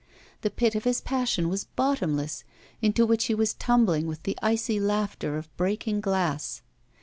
The pit of his passion was bottomless, into which he was tumbling with the icy laughter of breaking glass.